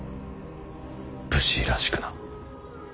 武士らしくな。